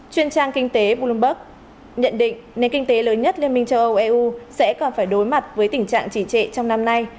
chuyên trang kinh tế bloomberg nhận định nền kinh tế lớn nhất liên minh châu âu eu sẽ còn phải đối mặt với tình trạng chỉ trệ trong năm nay